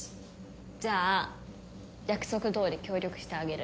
じゃあ約束どおり協力してあげる。